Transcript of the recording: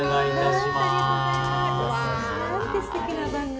すてきな番組。